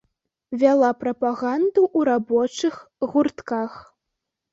Вяла прапаганду ў рабочых гуртках.